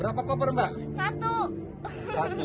berapa koper mbak